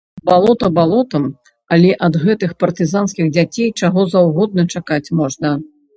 Балота балотам, але ад гэтых партызанскіх дзяцей чаго заўгодна чакаць можна!